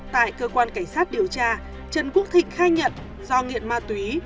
tại cơ quan cảnh sát điều tra trần quốc thịnh khai nhận do nghiện ma túy